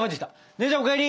姉ちゃんお帰り！